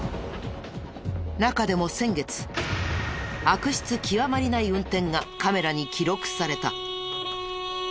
中でも先月悪質極まりない運転がカメラに記録された。